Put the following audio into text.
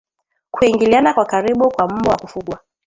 Kuingiliana kwa karibu kwa mbwa wa kufugwa